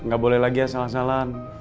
gak boleh lagi ya salah salahan